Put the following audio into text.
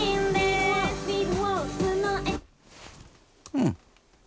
うん。